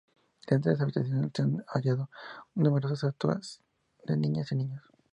Delante de las habitaciones se han hallado numerosas estatuas de niñas y niños.